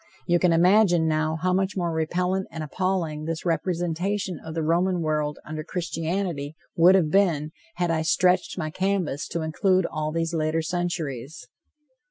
You can imagine, now, how much more repellant and appalling this representation of the Roman world under Christianity would have been had I stretched my canvas to include also these later centuries.